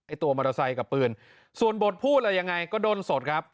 ตัวมอเตอร์ไซค์กับปืนส่วนบทพูดอะไรยังไงก็โดนสดครับ